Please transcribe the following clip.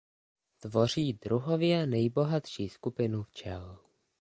Tvoří druhově nejbohatší skupinu včel.